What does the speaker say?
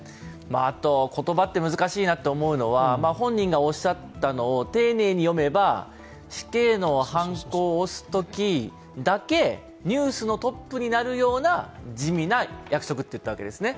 あと言葉って難しいなと思うのは本人がおっしゃたのを丁寧に読めば死刑のはんこを押すときだけニュースのトップになるような地味な役職と言ったわけですね。